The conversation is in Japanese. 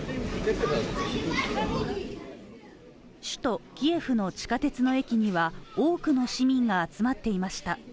首都キエフの地下鉄の駅には多くの市民が集まっていました。